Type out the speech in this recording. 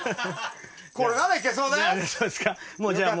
これならいけそうです！